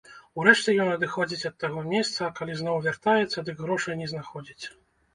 Урэшце ён адыходзіць ад таго месца, а калі зноў вяртаецца, дык грошай не знаходзіць.